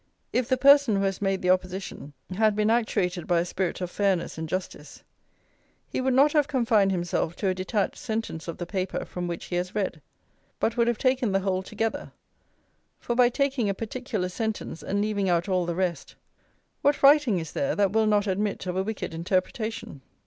If the person who has made the opposition had been actuated by a spirit of fairness and justice, he would not have confined himself to a detached sentence of the paper from which he has read; but, would have taken the whole together; for, by taking a particular sentence, and leaving out all the rest, what writing is there that will not admit of a wicked interpretation?